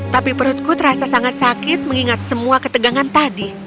tapi perutku terasa sangat sakit mengingat semua ketegangan tadi